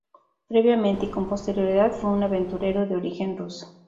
Previamente, y con posterioridad, fue un aventurero de origen ruso.